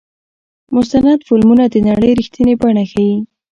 مستند فلمونه د نړۍ رښتینې بڼه ښيي.